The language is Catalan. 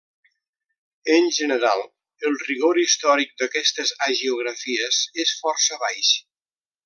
En general, el rigor històric d'aquestes hagiografies és força baix.